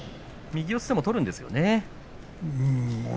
右四つでも取るんですよね。